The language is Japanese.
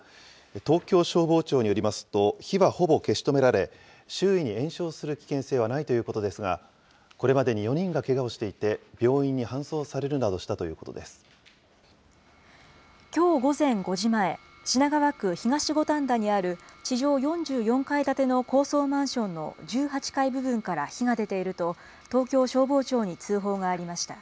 東京消防庁によりますと、火はほぼ消し止められ、周囲に延焼する危険性はないということですが、これまでに４人がけがをしていて、病院に搬送されるなどしきょう午前５時前、品川区東五反田にある地上４４階建ての高層マンションの１８階部分から火が出ていると東京消防庁に通報がありました。